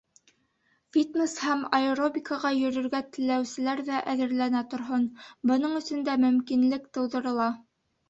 Фитнес һәм аэробикаға йөрөргә теләүселәр ҙә әҙерләнә торһон, бының өсөн дә мөмкинлек тыуҙырыла.